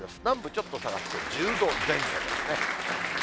南部、ちょっと下がって１０度前後ですね。